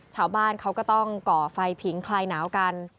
ชาวบ้านเขาก็ต้องก่อไฟผิงคลายหนาวกัน